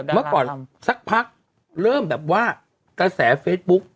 เมื่อก่อนสักพักเริ่มแบบว่ากระแสเฟซบุ๊ก